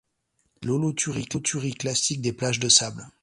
C'est l'holothurie classique des plages de sable.